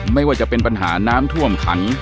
ไม่ว่าจะเป็นปัญหาน้ำท่วมขัง